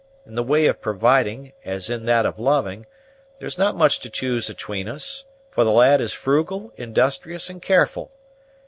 In the way of providing, as in that of loving, there's not much to choose 'atween us; for the lad is frugal, industrious, and careful.